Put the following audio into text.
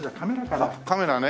あっカメラね。